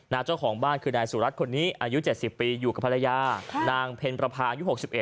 เจ้าของบ้านคือนายสุรัตน์คนนี้อายุ๗๐ปีอยู่กับภรรยานางเพ็ญประพายุ๖๑